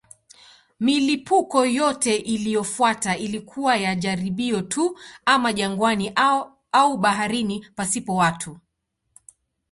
Milipuko yote iliyofuata ilikuwa ya jaribio tu, ama jangwani au baharini pasipo watu.